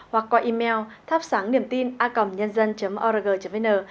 hoặc qua email thapsang a nh org vn